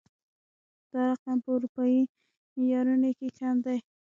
دا رقم په اروپايي معيارونو کې کم دی